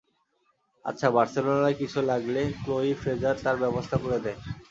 আচ্ছা, বার্সেলোনায় কিছু লাগলে, ক্লোয়ি ফ্রেজার তার ব্যবস্থা করে দেয়।